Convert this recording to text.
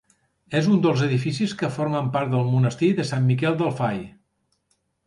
És un dels edificis que formen part del monestir de Sant Miquel del Fai.